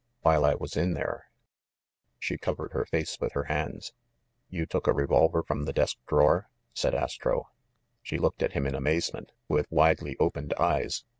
While I was in there —" She covered her face with her hands. "You took a revolver from the desk drawer?" said Astro. She looked at him in amazement, with widely opened eyes.